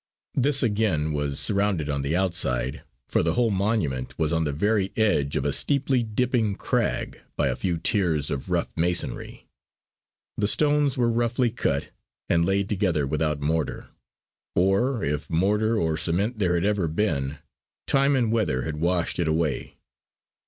This again was surrounded on the outside, for the whole monument was on the very edge of a steeply dipping crag, by a few tiers of rough masonry. The stones were roughly cut and laid together without mortar; or if mortar or cement there had ever been, time and weather had washed it away.